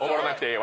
え